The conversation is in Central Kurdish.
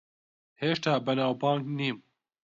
هێشتا بەناوبانگ نیم.